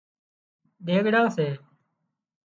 ۮِيڳڙان سي